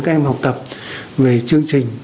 các em học tập về chương trình